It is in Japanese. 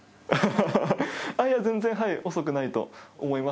いや、全然遅くないと思います。